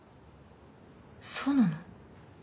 そうなの？